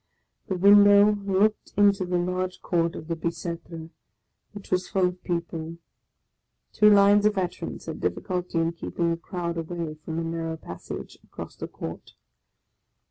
The window looked into the large Court of the Bicetre, which was full of people. Two lines of veterans had difficulty in keeping the crowd away from a narrow passage across the Court.